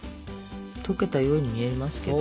溶けたように見えますけど。